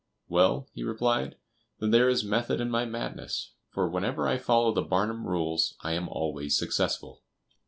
"Well," he replied, "then there is method in my madness, for whenever I follow the Barnum rules I am always successful."